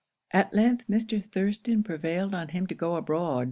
'At length Mr. Thirston prevailed on him to go abroad.